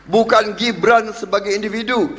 bukan gibran sebagai individu